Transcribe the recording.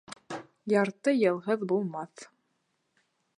Ярты йылһыҙ булмаҫ.